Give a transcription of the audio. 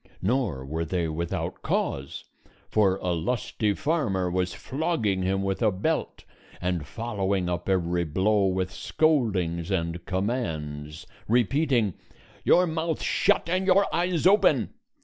Nor were they without cause, for a lusty farmer was flogging him with a belt and following up every blow with scoldings and commands; repeating, "Your mouth shut and your eyes open!"